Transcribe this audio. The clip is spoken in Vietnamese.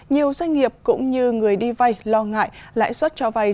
nhiều doanh nghiệp cũng như người đi vay lo ngại lãi suất cho vay